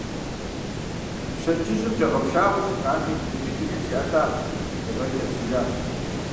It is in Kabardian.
Пщэдджыжьым кӀагъэпшагъэу щытами, иджы дунейм зиӀэтащ, дыгъэри къепсыжащ.